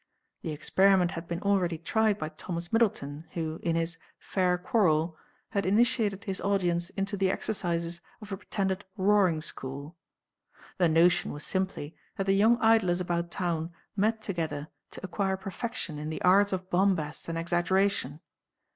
The experiment had been already tried by Thomas Middleton, who, in his 'Faire Quarrel,' had initiated his audience into the exercises of a pretended roaring school. The notion was simply that the young idlers about town met together to acquire perfection in the arts of bombast and exaggeration.